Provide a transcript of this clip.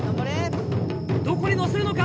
どこに乗せるのか。